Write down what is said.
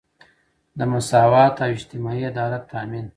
د مساوات او اجتماعي عدالت تامین.